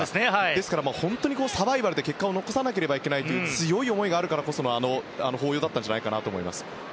ですから、本当にサバイバルで結果を残さなくてはいけないという強い思いがあるからこそのあの抱擁だったんじゃないかと思います。